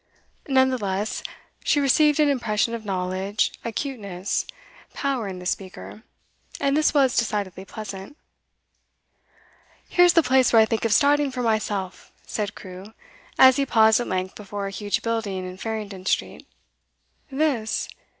None the less, she received an impression of knowledge, acuteness, power, in the speaker; and this was decidedly pleasant. 'Here's the place where I think of starting for myself,' said Crewe, as he paused at length before a huge building in Farringdon Street. 'This?